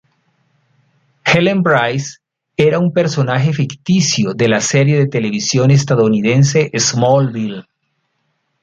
Helen Bryce era un personaje ficticio de la serie de televisión estadounidense Smallville.